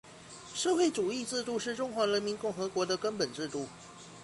社会主义制度是中华人民共和国的根本制度